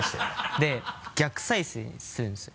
で逆再生するんですよ。